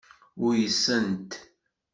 Uysen-t.